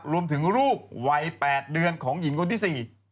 ลูกวัย๘เดือนของหญิงคนที่๔